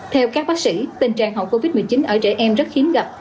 theo các bác sĩ tình trạng hậu covid một mươi chín ở trẻ em rất khiếm gặp